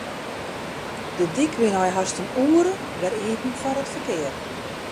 De dyk wie nei hast in oere wer iepen foar it ferkear.